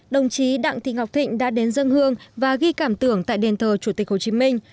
đồng chí đặng thị ngọc thịnh đã đến dân hương và ghi cảm tưởng tại đền thờ chủ tịch hồ chí minh